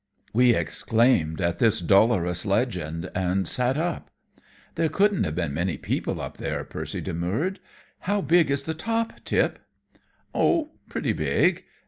We exclaimed at this dolorous legend and sat up. "There couldn't have been many people up there," Percy demurred. "How big is the top, Tip?" "Oh, pretty big.